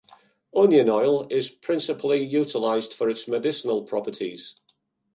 Onion oil is principally utilized for its medicinal properties.